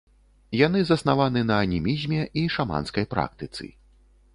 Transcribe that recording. Яны заснаваны на анімізме і шаманскай практыцы.